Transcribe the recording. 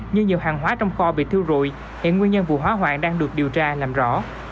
nhưng nhiều hàng hóa trong kho bị thiêu rụi hiện nguyên nhân vụ hỏa hoạn đang được điều tra làm rõ